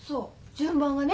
順番がね